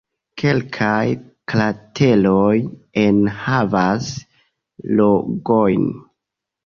Kelkaj krateroj enhavas lagojn.